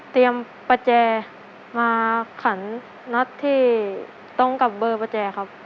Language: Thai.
ประแจมาขันนัดที่ตรงกับเบอร์ประแจครับ